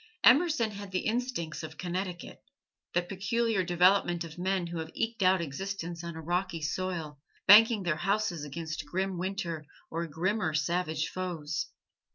Emerson had the instincts of Connecticut that peculiar development of men who have eked out existence on a rocky soil, banking their houses against grim Winter or grimmer savage foes.